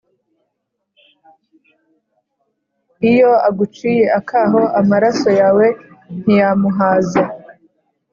iyo aguciye akaho, amaraso yawe ntiyamuhaza